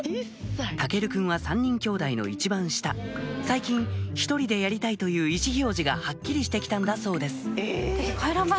岳琉くんは３人きょうだいの一番下最近１人でやりたい！という意思表示がはっきりして来たんだそうです